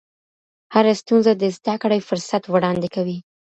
هره ستونزه د زده کړې فرصت وړاندې کوي.